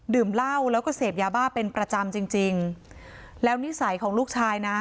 เหล้าแล้วก็เสพยาบ้าเป็นประจำจริงจริงแล้วนิสัยของลูกชายนะ